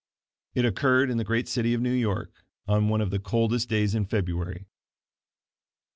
It occurred in the great city of New York, on one of the coldest days in February.